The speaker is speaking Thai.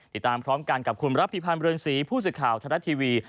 ติดตามพร้อมกันกับคุณรัฐภิพันธ์เบือนสีผู้สึกข่าวธนาทีวี